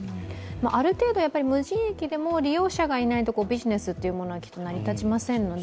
ある程度無人駅でも利用者がいないとビジネスは成り立ちませんので。